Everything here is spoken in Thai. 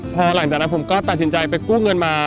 พอหลังจากนั้นผมก็ตัดสินใจไปกู้เงินมา